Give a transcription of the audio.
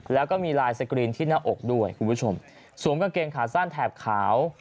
แล้วก็มีลายสกรีนที่หน้าอกด้วยคุณผู้ชมสวมกางเกงขาสั้นแถบขาว